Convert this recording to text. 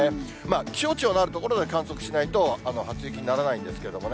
気象庁のある所で観測しないと、初雪にならないんですけれどもね。